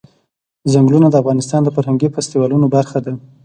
چنګلونه د افغانستان د فرهنګي فستیوالونو برخه ده.